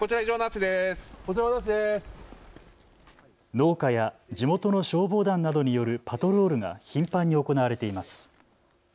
農家や地元の消防団などによるパトロールが頻繁に行われています。